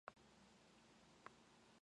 説得が意味をなさないことはわかっていたから